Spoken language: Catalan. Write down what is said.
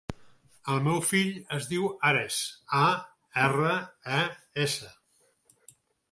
El meu fill es diu Ares: a, erra, e, essa.